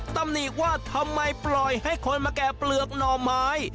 ตำหนิว่าทำไมปล่อยให้คนมาแก่เปลือกหน่อไม้